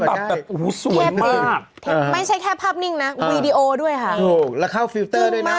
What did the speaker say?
แบบแบบอู๋สวยมากไม่ใช่แค่ภาพนิ่งนะด้วยฮะถูกแล้วเข้าฟิลเตอร์ด้วยน่ะ